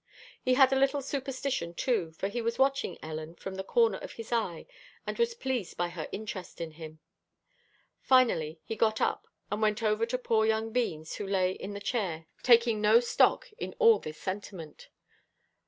He had a little superstition too, for he was watching Ellen from the corner of his eye, and was pleased by her interest in him. Finally he got up, and went over to poor young Beans who lay in the chair, taking no stock in all this sentiment.